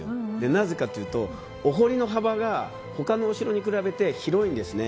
なぜかというとお堀の幅が他のお城に比べて広いんですね。